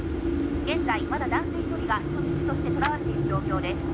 「現在まだ男性１人が人質として捕らわれている状況です」